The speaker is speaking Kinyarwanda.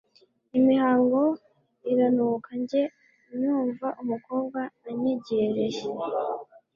Imihango iranuka njye nyumva umukobwa anyegereye